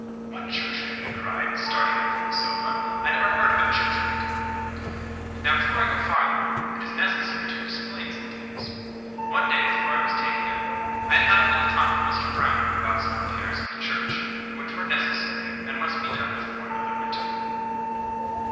"What church rate?" I cried, starting up from the sofa. "I never heard of a church rate." Now, before I go farther, it is necessary to explain some things. One day before I was taken ill, I had had a little talk with Mr Brownrigg about some repairs of the church which were necessary, and must be done before another winter.